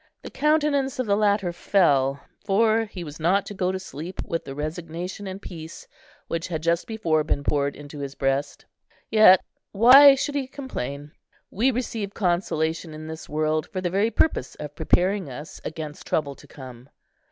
The countenance of the latter fell, for he was not to go to sleep with the resignation and peace which had just before been poured into his breast. Yet why should he complain? we receive consolation in this world for the very purpose of preparing us against trouble to come.